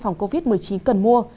phòng covid một mươi chín cần mua